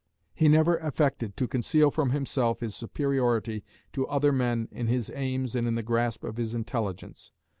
He never affected to conceal from himself his superiority to other men in his aims and in the grasp of his intelligence.